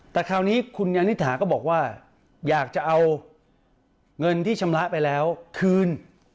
แต่คราวนี้คุณยานิษฐาก็บอกว่าอยากจะเอาเงินที่ชำระไปแล้วคืน